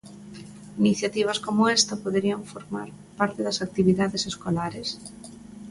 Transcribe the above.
Iniciativas como esta poderían formar parte das actividades escolares?